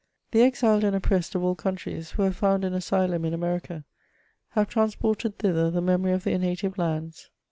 The exiled and oppressed of all countries, who have found an asylum in America, nave transported thither the memory of their native lands.